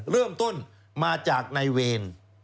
เริ่มต้นมาจากในเวร